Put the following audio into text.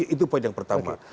itu poin yang pertama